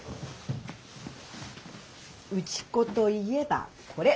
内子といえばこれ。